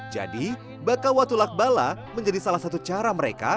jadi baka watulak bala menjadi salah satu cara mereka